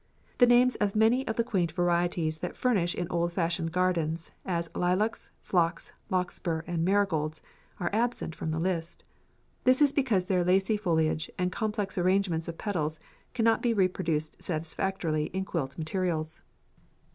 The names of many of the quaint varieties that flourish in old fashioned gardens, as lilacs, phlox, larkspur, and marigolds, are absent from the list. This is because their lacy foliage and complex arrangement of petals cannot be reproduced satisfactorily in quilt materials.